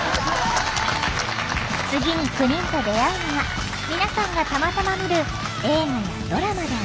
次に９人と出会うのが皆さんがたまたま見る映画やドラマでありますように